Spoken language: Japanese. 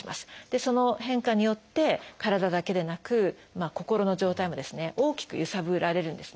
その変化によって体だけでなく心の状態も大きく揺さぶられるんですね。